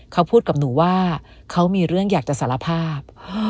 เขาพูดกับหนูว่าเขามีเรื่องอยากจะสารภาพ